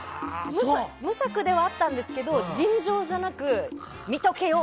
無策ではあったんですけど尋常じゃなく見とけよ！